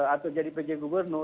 atau jadi pj gubernur